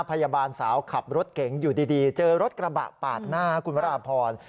พยาบาลสาวขับรถเก๋งอยู่ดีเจอรถกระบะปาดหน้าคุณวราพร